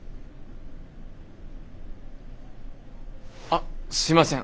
あっすいません。